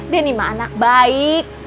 deni mah anak baik